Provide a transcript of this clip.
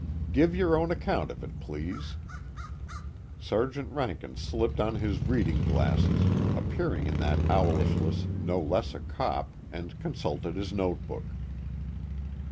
"Give your own account of it, please." Sergeant Rankin slipped on his reading glasses, appearing in that owlishness no less a cop, and consulted his notebook.